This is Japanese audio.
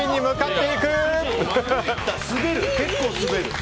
結構滑る！